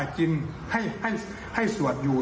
กินให้สวดอยู่